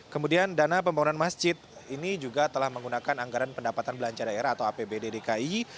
kemudian dana pembangunan masjid ini juga telah menggunakan anggaran pendapatan belanja daerah atau apbd dki